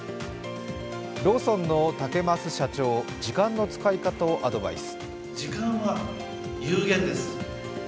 ローソンの竹増社長、時間の使い方をアドバイス。